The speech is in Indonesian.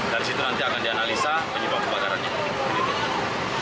dari situ nanti akan dianalisa penyebab kebakarannya